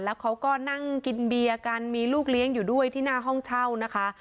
แล้วเขาก็นั่งกินเบียร์กันมีลูกเลี้ยงอยู่ด้วยที่หน้าห้องเช่านะคะ